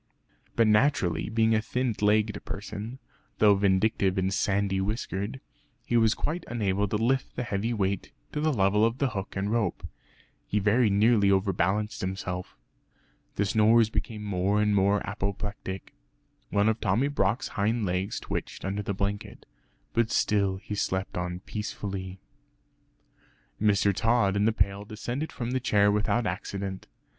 But naturally being a thin legged person (though vindictive and sandy whiskered) he was quite unable to lift the heavy weight to the level of the hook and rope. He very nearly overbalanced himself. The snores became more and more apoplectic. One of Tommy Brock's hind legs twitched under the blanket, but still he slept on peacefully. Mr. Tod and the pail descended from the chair without accident.